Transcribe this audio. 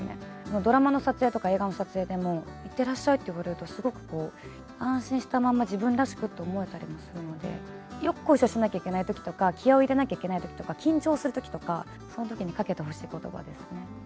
ドラマの撮影とか映画の撮影でも、いってらっしゃいって言われると、すごくこう、安心したまま、自分らしくって思えたりするので、よっこいしょしなきゃいけないときとか、気合を入れなきゃいけないときとか、緊張するときとか、そのときにかけてほしいことばですね。